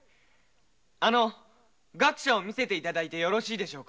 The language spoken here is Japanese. あの学舎を見せて頂いてよろしいでしょうか。